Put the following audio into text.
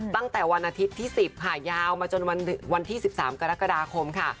ตั้งแต่วันอาทิตย์ที่๑๐ค่ะยาวมาจนวันที่๑๓กรกฎาคมค่ะ